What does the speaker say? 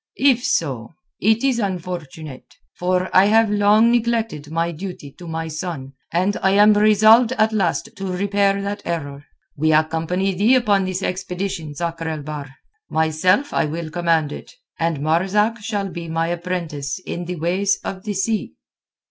If so, it is unfortunate; for I have long neglected my duty to my son, and I am resolved at last to repair that error. We accompany thee upon this expedition, Sakr el Bahr. Myself I will command it, and Marzak shall be my apprentice in the ways of the sea."